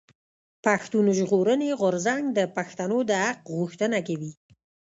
پښتون ژغورنې غورځنګ د پښتنو د حق غوښتنه کوي.